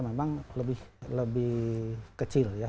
memang lebih kecil ya